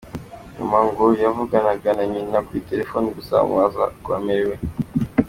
Nyuma ngo yavuganaga na nyina kuri telefone gusa amubaza uko amerewe.